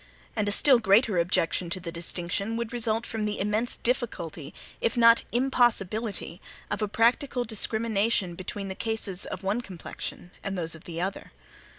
And a still greater objection to the distinction would result from the immense difficulty, if not impossibility, of a practical discrimination between the cases of one complexion and those of the other.